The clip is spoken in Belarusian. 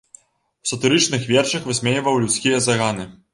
У сатырычных вершах высмейваў людскія заганы.